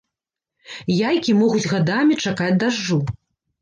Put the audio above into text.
Яйкі могуць гадамі чакаць дажджу.